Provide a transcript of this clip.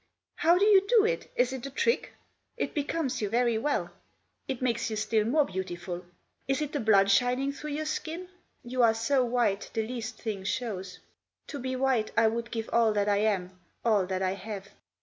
" How do you do it ? Is it a trick ? It becomes you very well ; it makes you still more beautiful. Is it the blood shining through your skin ? You are so white, the least thing shows. To be white I would give all that I am, all that I have."